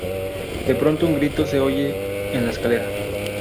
De pronto un grito se oye en la escalera.